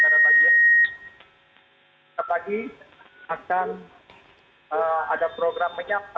jadil negara bagian kita bagi akan ada program menyapa